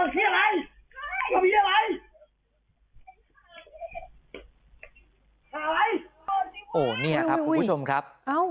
โหนี่นะครับผู้ชมครับ